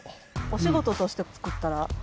お仕事として作ったら？